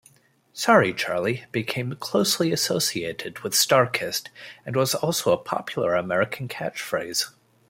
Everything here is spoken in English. "Sorry, Charlie" became closely associated with StarKist and was also a popular American catchphrase.